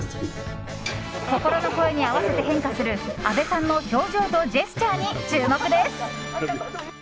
心の声に合わせて変化する阿部さんの表情とジェスチャーに注目です。